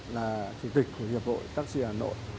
là thủy tịch của hiệp hội taxi hà nội